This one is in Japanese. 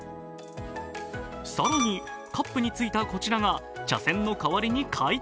更に、カップについたこちらが茶せんの代わりに回転。